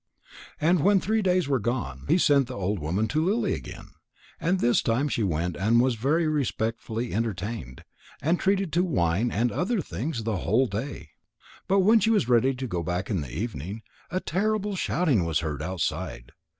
And when three days were gone, he sent the old woman to Lily again. And this time she went and was very respectfully entertained, and treated to wine and other things the whole day. But when she was ready to go back in the evening, a terrible shouting was heard outside.